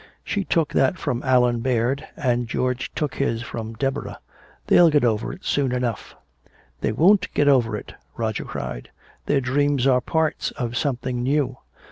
She took that from Allan Baird, and George took his from Deborah! They'll get over it soon enough " "They won't get over it!" Roger cried. "Their dreams are parts of something new!